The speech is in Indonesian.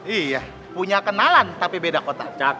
iya punya kenalan tapi beda kotak